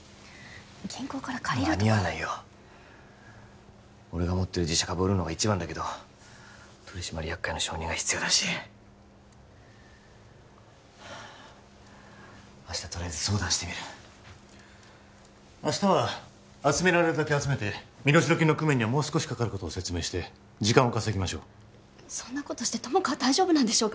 銀行から借りるとか間に合わないよ俺が持ってる自社株を売るのが一番だけど取締役会の承認が必要だし明日とりあえず相談してみる明日は集められるだけ集めて身代金の工面にはもう少しかかることを説明して時間を稼ぎましょうそんなことして友果は大丈夫なんでしょうか？